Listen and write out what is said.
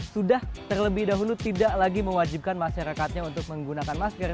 sudah terlebih dahulu tidak lagi mewajibkan masyarakatnya untuk menggunakan masker